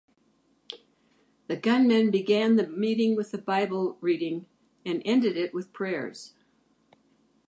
The gunmen began the meeting with a Bible reading and ended it with prayers.